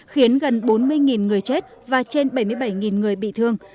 khiến gần bốn mươi người chết và trên bảy mươi bảy người bị thương